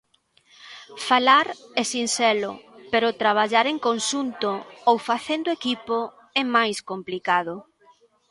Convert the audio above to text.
Falar é sinxelo, pero traballar en conxunto ou facendo equipo é máis complicado.